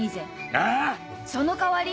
あぁ⁉その代わり！